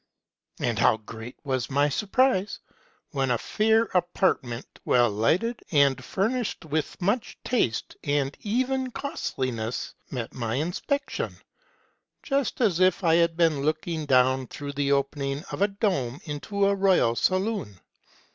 But how great was my surprise when a fair apartment, well lighted, and furnished with much taste and even costliness, met my inspection ; just as if I had been looking down through the opening of a dome into a royal saloon